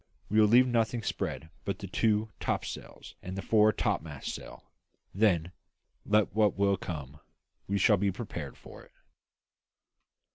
We will leave nothing spread but the two topsails and the fore topmast staysail; then, let what will come, we shall be prepared for it."